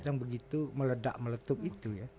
yang begitu meledak meletup itu ya